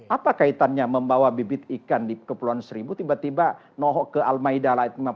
apa kaitannya membawa bibit ikan ke pulau seribu tiba tiba nohok ke al maida lima puluh satu